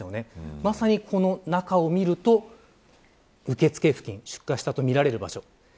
まさにこの中を見ると受付付近出火したとみられる場所